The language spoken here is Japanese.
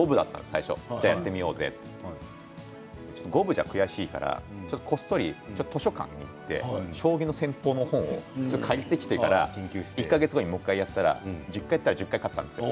最初、じゃあやってみようぜと五分じゃ悔しいからこっそり図書館に行って将棋の戦法の本を借りてきて１か月後にもう１回やったら１０回やったら１０回勝ったんです。